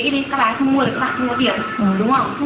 và bây giờ